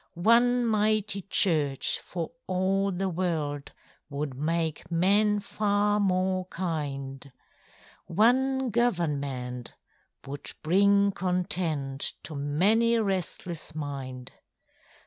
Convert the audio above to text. One mighty church for all the world Would make men far more kind; One government would bring content To many a restless mind.